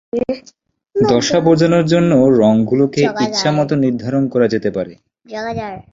দশা বোঝানোর জন্য রঙ গুলোকে ইচ্ছা মত নির্ধারণ করা যেতে পারে।